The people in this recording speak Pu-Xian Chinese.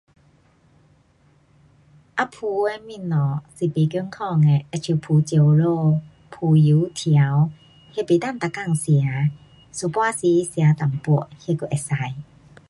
啊炸的东西是不健康的。好像炸香蕉，炸油条，那不能每天吃的，有半时吃一点，那还可以。